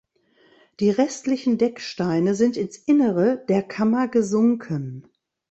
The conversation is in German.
Die restlichen Decksteine sind ins Innere der Kammer gesunken.